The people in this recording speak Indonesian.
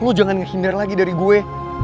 lo jangan ngehindar lagi dari gue